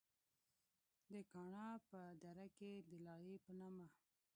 د کاڼا پۀ دره کښې د “دلائي” پۀ نامه